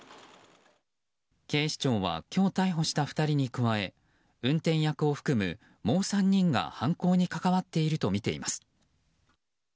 警視庁は今日逮捕した２人に加え運転役を含むもう３人が犯行に関わっているとみています。